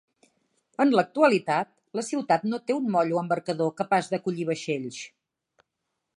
En l'actualitat, la ciutat no té un moll o embarcador capaç d'acollir vaixells.